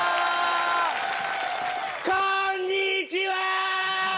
こんにちは！